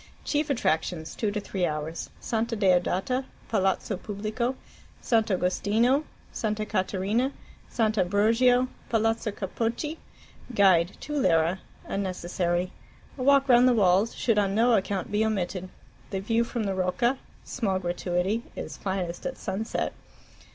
Chief attractions (2 3 hours): Santa Deodata, Palazzo Pubblico, Sant' Agostino, Santa Caterina, Sant' Ambrogio, Palazzo Capocchi. Guide (2 lire) unnecessary. A walk round the Walls should on no account be omitted. The view from the Rocca (small gratuity) is finest at sunset.